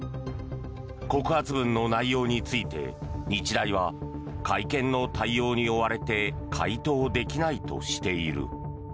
告発文の内容について日大は会見の対応に追われて回答できないとしている。